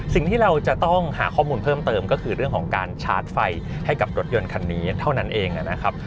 สิ่งที่เราจะต้องหาข้อมูลเพิ่มเติมก็คือเรื่องของการฉาดไฟให้กับรถยนต์คันนี้เท่านั้นเองนะครับ